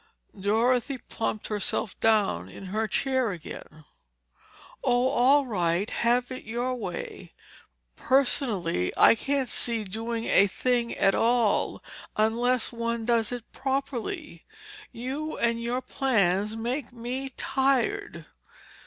Dorothy plumped herself down in her chair again. "Oh, all right. Have it your way. Personally, I can't see doing a thing at all, unless one does it properly. You and your plans make me tired."